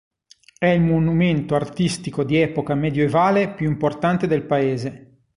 È il monumento artistico di epoca medioevale più importante del paese.